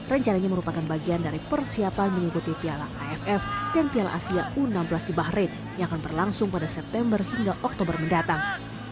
rencananya merupakan bagian dari persiapan mengikuti piala aff dan piala asia u enam belas di bahrain yang akan berlangsung pada september hingga oktober mendatang